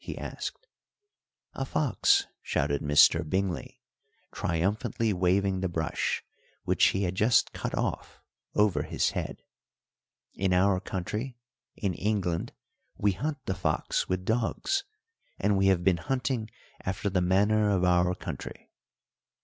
he asked. "A fox," shouted Mr. Bingley, triumphantly waving the brush, which he had just cut off, over his head. "In our country in England we hunt the fox with dogs, and we have been hunting after the manner of our country."